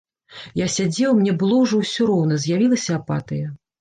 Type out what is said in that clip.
Я сядзеў, мне было ўжо ўсё роўна, з'явілася апатыя.